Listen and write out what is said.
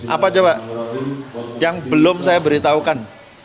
apa coba yang belum saya beritahukan